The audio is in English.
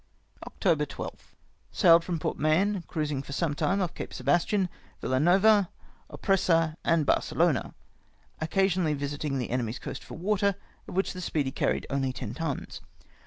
" October 12. — Sailed from Port Mahon, cruising for some time off Cape Sebastian, Villa Nova, Oropesa, and Barcelona ; occasionally visiting the enemy's coast for water, of which the Speedy carried only ten tons.